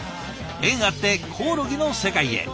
縁あってコオロギの世界へ。